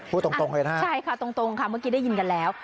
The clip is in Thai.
พูดตรงเห็นหรือเปล่าใช่ค่ะตรงค่ะเมื่อกี้ได้ยินกันแล้ว